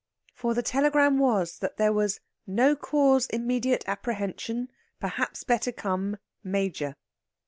For the telegram was that there was "no cause immediate apprehension; perhaps better come Major."